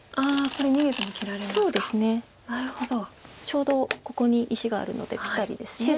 ちょうどここに石があるのでぴったりです。